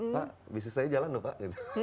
pak bisnis saya jalan loh pak